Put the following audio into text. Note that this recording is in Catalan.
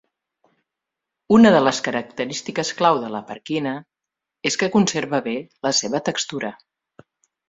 Una de les característiques clau de la parkina és que conserva bé la seva textura.